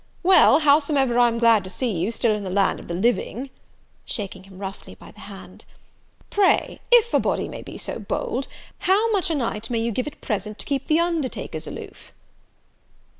Well, howsomever, I'm glad to see you still in the land of the living," (shaking him roughly by the hand.) "Pray, if a body may be so bold, how much a night may you give at present to keep the undertakers aloof?"